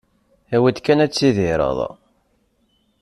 Awi-d kan ad tidireḍ.